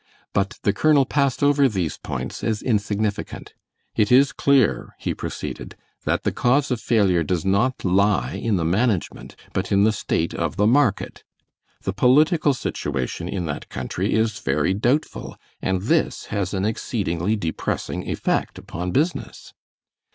But the colonel passed over these points as insignificant. "It is clear," he proceeded, "that the cause of failure does not lie in the management, but in the state of the market. The political situation in that country is very doubtful, and this has an exceedingly depressing effect upon business."